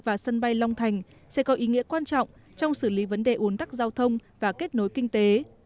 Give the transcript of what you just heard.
và sân bay long thành sẽ có ý nghĩa quan trọng trong xử lý vấn đề ủn tắc giao thông và kết nối kinh tế